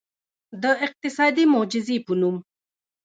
د اقتصادي معجزې په نوم.